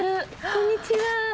こんにちは。